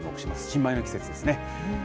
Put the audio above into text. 新米の季節ですね。